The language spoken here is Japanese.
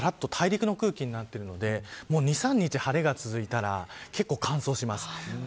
今までとは空気ががらっと大陸の空気になっているので２、３日晴れが続いたら結構、乾燥します。